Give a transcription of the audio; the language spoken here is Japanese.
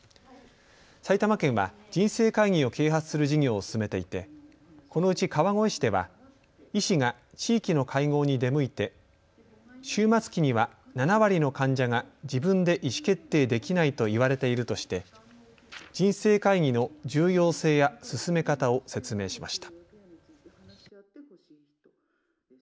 埼玉県は人生会議を啓発する事業を進めていてこのうち川越市では医師が地域の会合に出向いて終末期には７割の患者が自分で意思決定できないと言われているとして人生会議の重要性や進め方を説明しました。